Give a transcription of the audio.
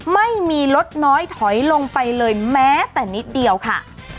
ไม่มีลดน้อยถอยลงไปเลยแม้แต่นิดเดียวค่ะ